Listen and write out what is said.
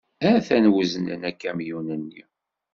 Atan wezznen akamyun-nni.